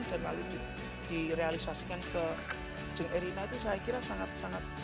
dan lalu direalisasikan ke irina itu saya kira sangat sangat